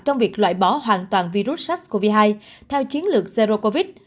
trong việc loại bỏ hoàn toàn virus sars cov hai theo chiến lược zero covid